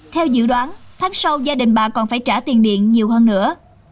theo dự đoán tháng sau gia đình bà còn phải trả tiền điện nhiều hơn nữa